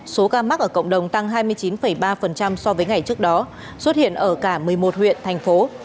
số ca mắc ở cộng đồng tăng hai mươi chín ba so với ngày trước đó xuất hiện ở cả một mươi một huyện thành phố